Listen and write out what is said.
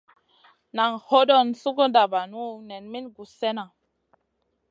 Naʼ hodon suguda vanu nen min guss slena.